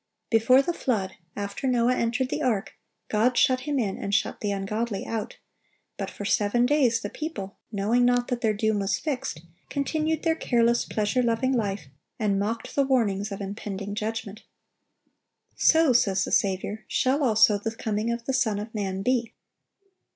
Before the flood, after Noah entered the ark, God shut him in, and shut the ungodly out; but for seven days the people, knowing not that their doom was fixed, continued their careless, pleasure loving life, and mocked the warnings of impending judgment. "So," says the Saviour, "shall also the coming of the Son of man be."